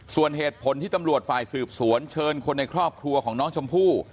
ส่วนเหตุผลที่ตำรวจฝ่ายสืบสวนเชิญคนในครอบครัวของน้องชมพู่